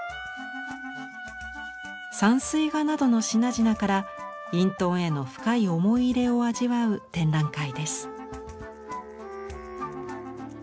山水画などの品々から隠遁への深い思い入れを味わう展覧会です。